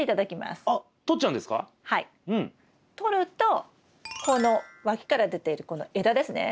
とるとこの脇から出ているこの枝ですね